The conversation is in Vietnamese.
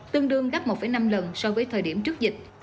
tương đương gấp một năm lần so với thời điểm trước dịch